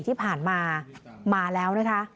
ที่ผ่านมามาแล้วนะคะ